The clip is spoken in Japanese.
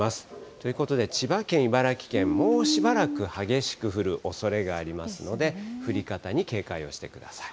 ということで、千葉県、茨城県、もうしばらく激しく降るおそれがありますので、降り方に警戒をしてください。